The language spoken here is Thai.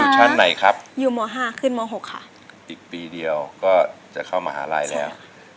อเจมส์อีกปีเดียวก็จะเข้ามหาลัยแล้ว